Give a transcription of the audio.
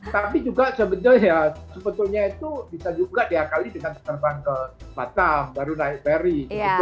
tapi juga sebetulnya itu bisa juga diakali dengan terbang ke batam baru naik peri